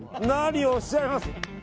何をおっしゃいます。